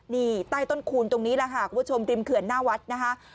นี่ใต้ต้นคูณตรงนี้แหละค่ะคุณผู้ชมริมเขื่อนหน้าวัดนะคะ